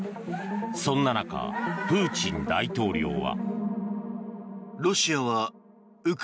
そんな中、プーチン大統領は。